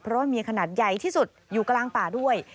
เพราะว่ามีขนาดใหญ่ที่สุดอยู่กลางป่าด้วย